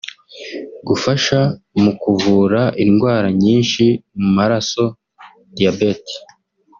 Gufasha mu kuvura indwara nyinshi mu maraso (Diabetes)